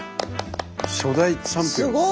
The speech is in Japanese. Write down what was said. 初代チャンピオンっすしかも。